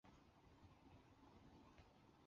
后来比利时在天津开设了租界。